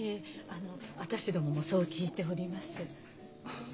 あの私どももそう聞いております。